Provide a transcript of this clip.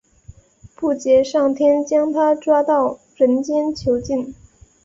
布杰上天将它捉到人间囚禁。